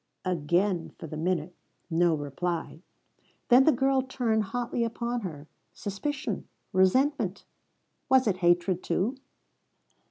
Again for the minute, no reply. Then the girl turned hotly upon her, suspicion, resentment was it hatred, too?